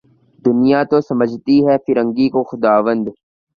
دنیا تو سمجھتی ہے فرنگی کو خداوند